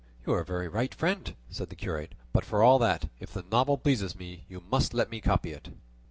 "You are very right, friend," said the curate; "but for all that, if the novel pleases me you must let me copy it."